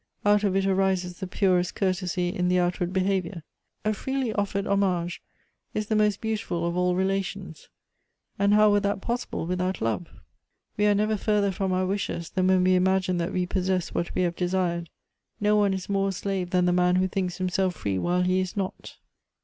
Out of it arises the purest courtesy in the outward beha vior. "A freely offered homage is the most beautiful of all relations. And how were that possible without love ? 9* 202 Goethe's "We are never further from our wishes than when we imagine that we possess what we have desired. "No one is more a slave than the man who thinks himself free while he is not.